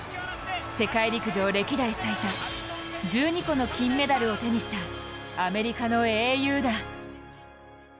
世界陸上歴代最多１２個の金メダルを手にしたアメリカの英雄だ。